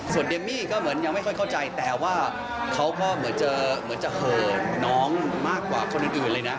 ส่วนเดมมี่ก็เหมือนยังไม่ค่อยเข้าใจแต่ว่าเขาก็เหมือนจะเหมือนจะเห่อน้องมากกว่าคนอื่นเลยนะ